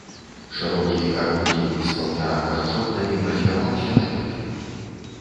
Шырокі і кароткі, без каўняра, кажушок на ім развяваўся на ветры.